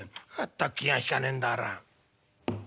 全く気が利かねえんだから」。